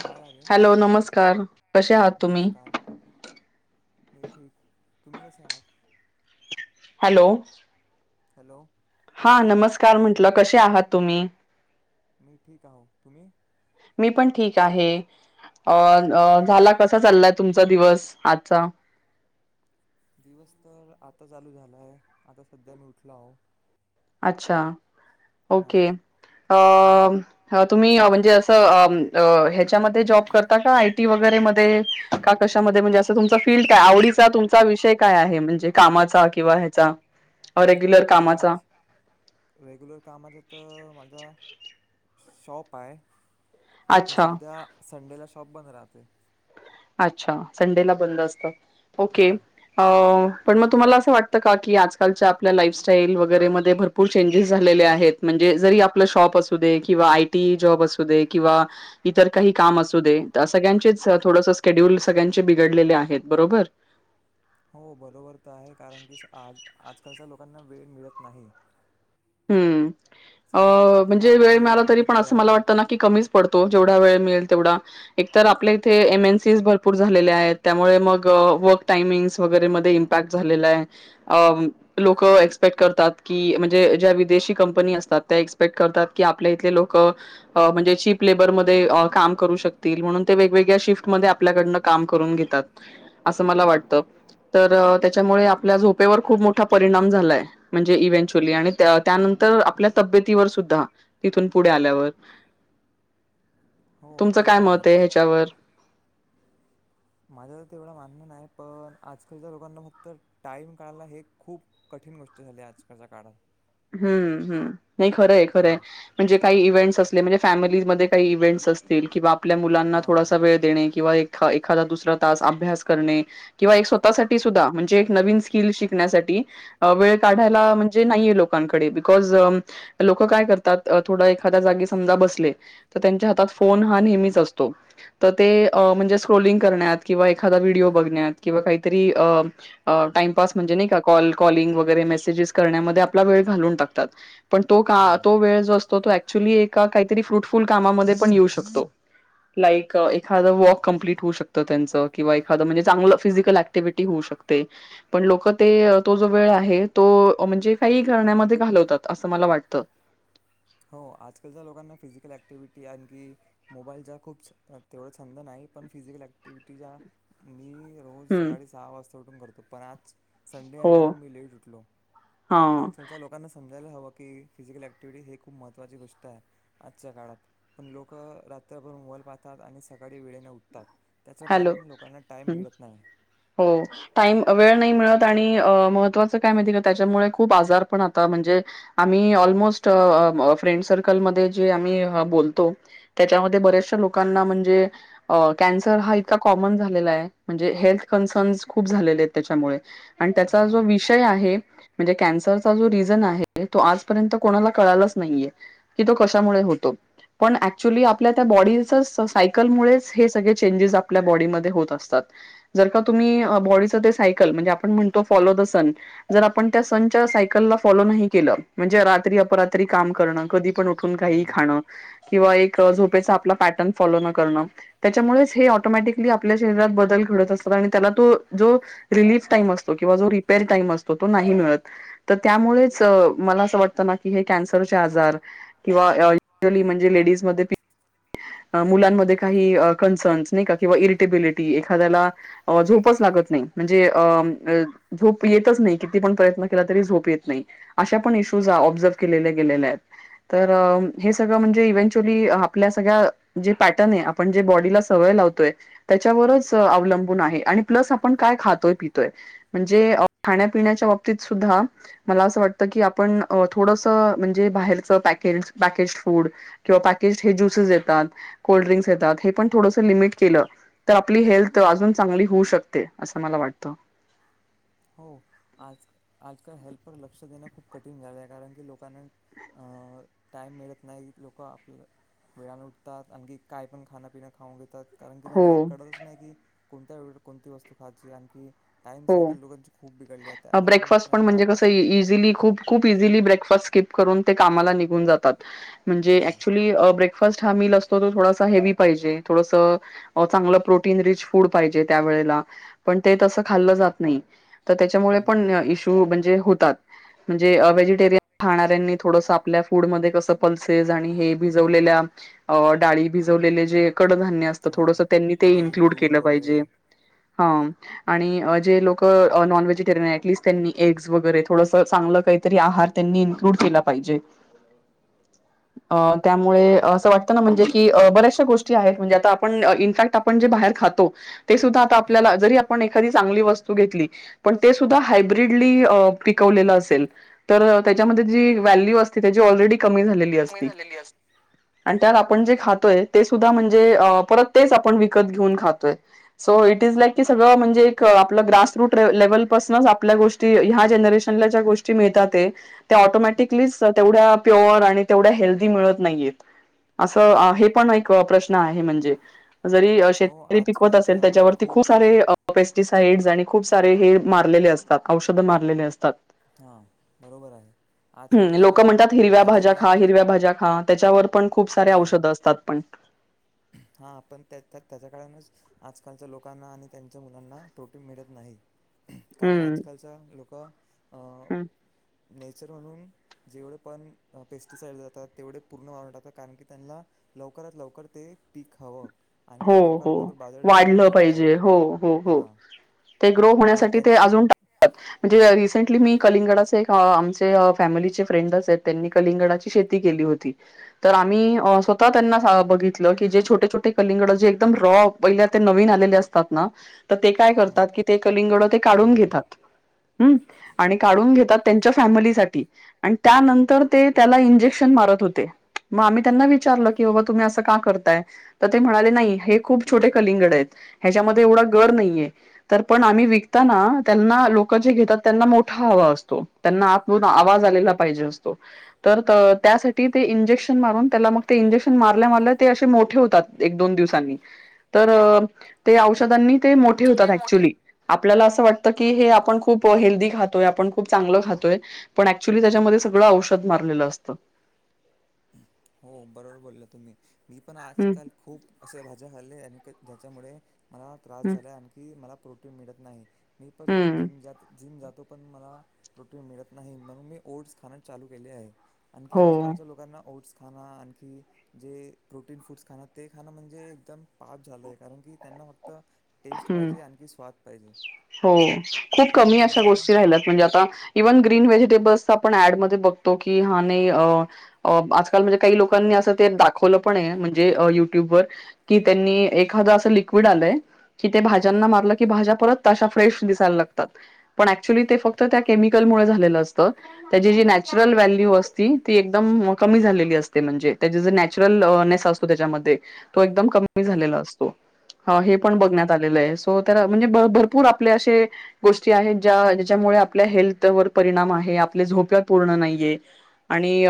आवाज आ रे हॅलो! नमस्कार कसे आहात तुम्ही? नमस्कार मी ठीक तुम्ही कसे आहात? हॅलो! हॅलो! हा, नमस्कार! म्हटलं कसे आहात तुम्ही? मी ठीक आहोत तुम्ही? मी पण ठीक आहे अ अ झाला कसा चाललाय तुमचा दिवस आजचा? दिवस तर आता चालू झालाय, आता सध्या मी उठलो आहो. अच्छा! हां ओके तुम्ही अ तुम्ही म्हणजे च अ म अम ह्याच्या मध्ये जॉब करता का आय टी वगैरे मध्ये का कशा मध्ये म्हणजे, असा तुमचा फील्ड काय आवडीचा तुमचा? चा विषय काय आहे, म्हणजे कामाचा किंवा ह्याचा रेग्युलर कामाचा? कामाच रेग्युलर कामाचं त माझा शॉप हाय. पण अच्छा सध्या संडेला शॉप बंद राहत. [unintelligible] अच्छा! संडेला बंद असतं. ओके! हां अ पण म तुम्हाला असं वाटतं का की आजकालच्या आपल्या लाईफस्टाईल वगैरे मध्ये भरपूर चेंजेस झालेले आहेत, म्हणजे जरी आपलं शॉप असू दे किंवा आयटी जॉब असू दे किंवा इतर काही काम असू दे सगळ्यांचेच थोडसं शेड्युल सगळ्यांचे बिघडलेले आहेत बरोबर? हो बरोबर त आहे कारण की आ आज आजकालच्या लोकांना वेळ मिळत नाही. हम्म सगळ्या आपल्या अ आपल्या म्हणजे वेळ कामामध्ये मिळाला तरी पण अटकले असं मला राहते वाटतं ना की कमीच पडतो, जेवढा वेळ मिळेल तेवढा एक आपल्या इथे एम एन सीज भरपूर झालेल्या आहेत त्यामुळे मग वर्क टाईमिग्स वगैरे मध्ये इमपॅक्ट झालेलं आहे. अम्म लोकं एक्सपेक्ट करतात की म्हणजे ज्या विदेशी कंपनी असतात त्या एक्सपेक्ट करतात की आपल्या इथले लोकं अ म्हणजे चीप लेबरमध्ये अ काम करू शकतील म्हणून ते वेगवेगळ्या शिफ्टमध्ये आपल्याकडनं काम करून घेतात, असं मला वाटत तर त्याच्यामुळे आपल्या झोपेवर खूप मोठा परिणाम झालाय म्हणजे इव्हेंचुली आणि त्या त्यानंतर आपल्या तब्येतीवर सुद्धा इथून पुढे आल्यावर. हो तुमचं ते काय पण मत आहे ह्याच्यावर? माझं तर तेवढं मानणं नाही पण आजकालच्या लोकांना फक्त टाईम काढायला हे खूप कठीण गोष्ट झाली आजकालच्या काळात हम्म हम्म नाही खरंय खरंय हां. म्हणजे काही इव्हेंट्स अस [unintelligible] म्हणजे फॅमिलीजमध्ये काही इवेंट्स असतील किंवा आपल्या मुलांना हां. थोडासा वेळ देणे किंवा एक ख एखादा दुसरा तास अभ्यास करणे किंवा स्वतःसाठी सुद्धा म्हणजे एक नवीन स्किल शिकण्यासाठी अ वेळ काढायला म्हणजेे नाही लो कांकडे बिकॉज लोकं काय करतात थोडं एखाद्या जागी समजा बसले, तर त्यांच्या हातात फोन हा नेहमीच असतो तर ते अ म्हणजे स्क्रोलिंग करण्यात किंवा एखादा व्हिडिओ बघण्यात किंवा काहीतरी अ अ टाईमपास म्हणजे नाही का कॉल कॉलिंग वगैरे मेसेजेस करण्यामध्ये आपला वेळ घालवून टाकतात, पण तो का हं. तो वेळ जो असतो तो ऍक्च्युली एका काहीतरी फ्रुटफुल कामामध्ये पण येऊ शकतो. लाईक एखादं वॉक कंप्लीट होऊ शकतं त्यांचं किंवा एखादं म्हणजे चांगलं फिजिकल ऍक्टिव्हटी होऊ शकते पण लोकं ते तो जो वेळ आहे तो अ म्हणजे काहीही करण्यामध्ये घालवतात असं मला वाटतं. हो आजकालच्या लोकांना फिजिकल ऍक्टिव्हिटी, आणखी मोबाईलचा खूप तेवढा छंद नाही, पण फिजिकल ऍक्टिव्हीटीज्या मी रोज हं, सकाळी सहा वाजता उटून करतो, पण आज संडे आहे हो, म्हणून मी लेट उठलो, हां, आजकालच्या लोकांना सं हवा की फिजिकल ऍक्टि्हटी हे खूप महत्त्वाची गोष्ट आहे आजच्या काळात पण लोक रात्रभर मोल पाहतात आणि सकाळी वेळेने उठतात त्याचं हॅलो कारण लोकांना टाईम मिळत नाही. हो टाम म्हण तर हा इतका कॉमन झालेला आहे म्हणजे हेल्थ कन्सर्न खूप झालेले त्याच्यामुळे आणि त्याचा हां, जो विषय आहे म्हणजे कॅन्सर र् को कत पण आपल्या त्णणोोण ख हं. ऑटोमॅटिकली आपल्या शरीरात बदल घडत असतात आणि त्याला तो जो रिलीफ टाईम असतो किंवा जो रिपेर टाईम असतो तो नाही मिळत तर त्यामुळेच मला असं वाटतं ना की हे कॅन्सरचे आजार किंवा यली म्हणजे लेडीजमध्ये मुलांमध्ये काही कन्सर्न नाही का किंवा इरिटेबिलिटी एखाद्याला झोपच लागत नाही म्हणजेोप येतच नाही किती पण प्रयत्न केला तरी झोप येत नाही अशा पण इशूज ऑब्झर्व केले गेल्या आहेत तर हे सगळं म्हणजे इवचुली आपल्या सगळ्या जे पॅटर्न आहे आपण जे बॉडीला सवय लावतोय त्याच्यावरच अवलंबून आहे आणि प्लस आपण काय खातोय पितोय म्हणजे खाण्यापिण्याच्या बाबतीत सुद्धा मला असं वाटतं की आपण थोडस म्हणजे बाहेरच पॅके पॅकेज फूड किंवा पॅकेज हे ज्युसेस येतात कोल्ड्रिंस येतात हे पण थोडस लिमिट केलं तर आपली हेल्थ अजून चांगली होऊ शकते असं मला वाटत. प लक्ष देणं खूप कठीण झालं आहे कारण की लोकांना टाइम मिळत नाही लोक आपलं वेळान उठतात आणखी काय पण खाण्यापिना खाऊन घेतात. कारण की हो त्यांना कळतच नाही कि कोणत्या वेळे कोणती वस्तू खायची आणखी [unintelligible] खूप बिघडली आहे त्या कारण ब्रेकफास पण त्यांना म्हणजे कस इझीली खूप खूप इझीली [unintelligible] म्हणजे हां ऍक्चुअली ब्रेकफास्ट हा म - - थोडासा हेव्ही पायजे थोडास चांगल प्रोटिन रिच फूड पायजे त्यावेळेला पण ते तस - - खाल्लं जात नाही. तर त्याच्यामुळे पण इश्यू म्हणजे हो - - म्हणजे व्हेजिटेरिय खाणाऱ्यांनी थोडस आपल्या फूड मध्ये कस पल्सेस आणि हे भिजवलेल्या डाळी भिजवले जे कडधान्य असत हां थोडस त्यांनी ते पनीर इन्क्लूड दूध केलं पाहिजे वगैरे हा. आणि जे लोक नॉन व्हेजिटेरियन टलिस्ट त्यांनी एग्स वगैरे थोडस चांगलं काहीतरी आहार त्यांनी इन्क्लूड केला पाहिजे त्यामुळे असं वाटतं ना म्हणजे की बऱ्याचशा गोष्टी आहेत म्हणजे आ आपण इनफॅक्ट आपण जे बाहेर खातो ते सुद्धा आता हां आपल्याला जरी - - एखादी चांगली वस्तू घेतली पण ते सुद्धा हाय ब्रीडली पिकवलेल आसेल तर त्याच्या मध्ये जी व्हॅल्यू असते ती कमी झालेली असती. आणि त्यात आपण जे खातोय ते सुद्धा म्हणजे परत तेच आपण विकत घेऊन खातोय सो इट इज लाईक की सगळं म्हणजे एक आप ग्रास रूट लेवल पाासनच आपल्या गोष्टी ह्या जनरेशनला ज्या गोष्टी मिळतात ते त्या ऑटोमॅटिकलीच तेवढ्या प्युअर आणि तेवढ्या हेल्दी मिळत नाहीयेत असं हे पण एक प्रश्न आहे म्हणजे? जरी हो शेतकरी पिकवत आजकालच्या असेल जमान्यात त्याच्यावरती खूप सारे पेस्टिसाइड्स आणि खूप सारे हे मारलेले असतात औषधं मारलेले असतात. हां बरोबर आहे हम् आजकालच्या लोक म्हणतात जमान्यात हिरव्या भाज्या भाजींना खा खूप हिरव्या भाज्या खा त्याच्यावर पण खूप सारे हां औषध असतात पण. हा पण त्या त्याच्या कारणानच आजकालच्या लोकांना आणि त्यांच्या मुलांना प्रोटीन मिळत नाही. कारण आजकालच लोक हम्म नेचर म्हणून जेवढे पण पेस्टिसाईड जातात तेवढे पूर्ण वांटातात कारण की त्यांना लवकरात लवकर ते पीक हव हो हो वाढलं पाहिजे हो हो हो हां ते ग्रो आणि होण्यासाठी ते त्यांची अजूनात म्हणजे रिसेंटली मी कलिंगडाच एक आमचे फॅमिलीचे फ्रेंड त्यांनी कलिंगडाची शेती केली होती, तर आम्ही स्वतः त्यांना बघितलं की जे छोटे छोटे कलिंगडे एकदम रॉ पहिले नवीन आलेले असतात ना ते काय हं. करतात की ते कलिंगड ते काढून घेतात हम आणि काढून घेतात त्यांच्या फॅमिलीसाठी आणि त्यानंतर ते त्याला इंजेक्शन मारत होते मग आम्ही त्यांना विचारलं की, बाबा तुम्ही असं का करताय? तर ते म्हणाले नाही हे खूप छोटे कलिंगड आहेत ह्याच्यामध्ये एवढा गर नाहीये, तर पण आम्ही विकताना त्यांना लोक जे घेतात त्यांना मोठा हवा असतो त्यांना द आवाज आलेला पाहिजे असतो तर त्यासाठी ते इंजेक्शन मारून त्याला मग ते इंजेक्शन मारल्या मारल्या ते असे मोठे होतात एक दोन दिवसांनी, तरं ते औषधांनी ते मोठे होतात ऍक्च्युली आपल्याला असं वाटत की हे आपण खूप हेल्दी खातोय, आपण खूप चांगलं खातोय, पण ऍक्चुली त्याच्यामध्ये सगळं औषध मारलेलं असत. हो बरोबर बोलला तुम्ही मी पण हम्म आजकाल खूप अशा भाज्या खाल्ले आणि ज्याच्यामुळे मला त्रास हम्म. झालाय आणखी मला प्रोटीन मिळत नाही. मी पण रोज हम्म जिम जात जिम जात तो पण मला प्रोटीन मिळत नाही म्हणून मी ओटस खाण चालू केले आहे. आणखी हो आजकालच्या लोकांना खां आणखी जे प्रोटीन फूड्स खाणं ते खाणं म्हणजे एकदम पाप झालं आहे. कारण की त्यांना फक्त टेस्ट हं पाहिजे आणखी स्वाद पाहिजे हो, खूप हे कमी तुम्ही अशा मानता का गोष्टी राहिल्या म्हणजे आता इव्हन ग्रीन व्हेज बस पण ऍड मध्ये बघतो की हा नाही आज-काल म्हणजे काही लोकांनी अस दाखवलं पण म्हणजे युट्यूब वर की, त्यांनी एखाद्या लिक्विड आलंय कि ते भाज्यांना मारलं की भाज्या परत तशा फ्रेश दिस पण ऍक्च्युली ते फक्त त्या केमिकल मुळ झालेल असते त्याची जी नॅचरल व्हॅल्यू असते ती एकदम कमी झालेली असते, म्हणजे त्याचे जर नॅचरलनेस असतो त्याच्यामध्ये तो एकदम कमी हां झालेला असतो ह हे पण हां बघण्यात असं होतं ना त्या म्हणजे भरपूर आपल्या अशा गोष्टी आहेत जा ज्याच्यामुळे आपले आपल्या हेल्थवर परिणाम आहे, आपले झोप पूर्ण नाहीये आणि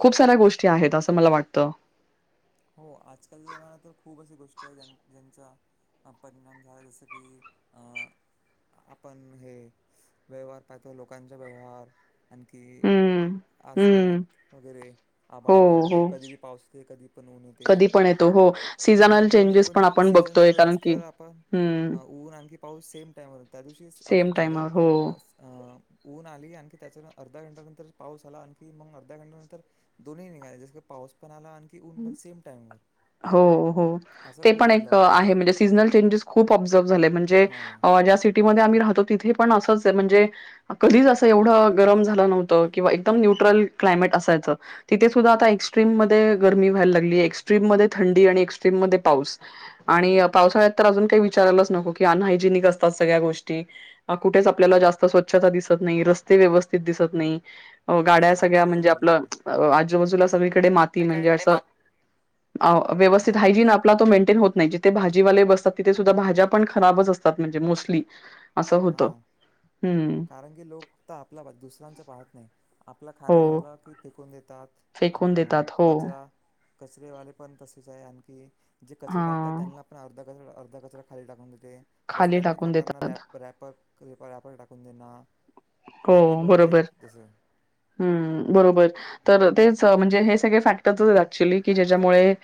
खूप साऱ्या गोष्टी आहेत असं मला वाटत. त्यांचा आपण म्हणालात जस की अं आपण हे व्यवहार लोकांचा व्यवहार आणखी हम्म हम्म आसमानात वगैरे, हो आभाळात वगैरे, हो कधी बी पाऊस येते, कधी पण ऊन येते, कधी पण येतो हो आणखी सीझनल कोणी चेंजेस पण कोणी आपण सीझनच्या बघतोय कारण वेळेस की तर आपण हम्म ऊन आणखी पाऊस सेम टाइमवर त्या दिवशी सेम असं झालं. टाइमावर हो ऊन आली आणखी त्याच्या अर्ध्या घंटाानंतर पाऊस आला आणखी मग अर्ध्या घंटाानंतर दोन्ही निघाले जस की पाऊस पण आला आणखी ऊन पण सेम टाईमवर हो हो असा ते खूप पण एक बदलाव होत आहे म्हणजे सिझनर चेंजेस खूप ऑबजर झाले म्हणजे हां ज्या सिटीमध्ये आम्ही राहतो. तिथे पण असच आहे म्हणजे कधीच असं एवढं गरम झाल नव्हतं. किंवा एकदम न्यूट्रल क्लायमेट असायचं, तिथे सुद्धा आता एक्स्ट्रीम मध्ये गरमी व्हायला लागली. एक्स्ट्रीम मध्ये थंडी, आणि एक्स्ट्रीम मध्ये पाऊस, आणि पावसाळ्यात तर अजून काही विचारायलाच नको. की अनहायजेनिक असतात सगळ्या गोष्टी, कुठेच आपल्याला जास्त स्वच्छता दिसत नाही रस्ते व्यवस्थित दिसत नाही. गाड्या अं हां सगळ्या बरोबर म्हणजे बोलला तुम्ही आपलं आजूबाजूला सगळीकडे माती के म्हणजे सगळीकडे असं मा व्यवस्थित हां हायजिन आपला तो मेंटेन मेंटेन होत नाही जिथे भाजीवाले बसतात तिथे सुद्धा भाज्या पण खराब असतात मोस्टली. असं हा होतं. हं. कारण की लोक फक्त आपला पाहतात दुसऱ्यांच पाहत नाही. आपल खाण झाल हो. की फेकून देतात फेकून देतात. हो. कचरा. कचरेवाले पण तसेच आहे आणखी जे कचरी टाकतात हां. त्यांना आपण अर्धा अर्ध कचरा खा टाकून खाली रस्त्यांनी टाकून खाता ना र देतात. पर टाकून देना हो बरोबर हम् बरोबर तर तेच म्हणजे हे सगळे फॅक्टर ऍक्च्युअली की ज्याच्यामुळे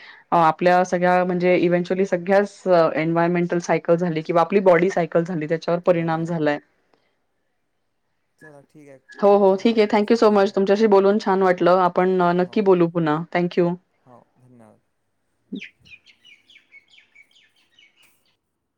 आपल्या सगळ्या म्हणजे इव्हेन्च्युअली सगळ्या एन्व्हायरमेंटल सायकल झाली किंवा आपली बॉडी सायकल झाली परिणाम हां झालाय चला ठीक आहे हो खूप हो चांगला ठीक आहे वाटलं थँक्यू तुमच्यासोबत सो बोलून मच तुमच्याशी बोलून छान वाटलं आपण हो नक्की बोलू पुन्हा थँक यू हो धन्यवाद